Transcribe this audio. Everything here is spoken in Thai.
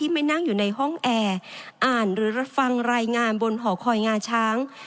ไม่นั่งอยู่ในห้องแอร์อ่านหรือรับฟังรายงานบนหอคอยงาช้าง